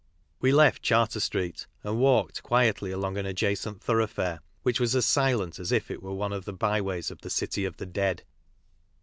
We left Charter street and walked quietly along an adjacent thoroughfare, which was as silent as if it were one of the bye ways of the City of the Dead.